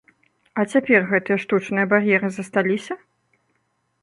А цяпер гэтыя штучныя бар'еры засталіся?